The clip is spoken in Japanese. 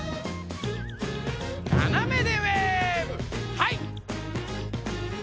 はい！